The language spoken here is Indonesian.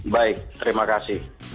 baik terima kasih